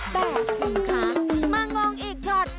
แต่คุณคะมางงอีกช็อต